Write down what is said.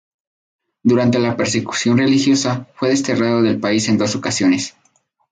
Durante la persecución religiosa, fue desterrado del país en dos ocasiones.